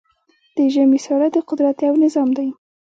د ژمی ساړه د قدرت یو نظام دی.